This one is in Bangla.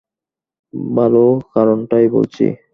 ভালো কারণটাই বলছি।